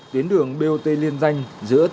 tiến đường bot liên danh giữa tàu